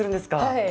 はい。